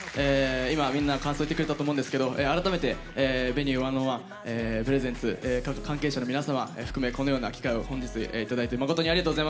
今みんな感想言ってくれたと思うんですけど改めて「Ｖｅｎｕｅ１０１Ｐｒｅｓｅｎｔｓ」各関係者の皆様含めこのような機会を本日いただいてまことにありがとうございます。